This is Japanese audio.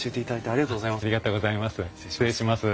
ありがとうございます。